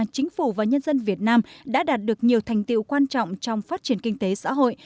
chính phủ và nhân dân việt nam đã đạt được nhiều thành tiệu quan trọng trong phát triển kinh tế xã hội